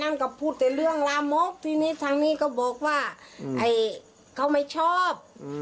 มันก็พูดแต่เรื่องลามกทีนี้ทางนี้ก็บอกว่าไอ้เขาไม่ชอบ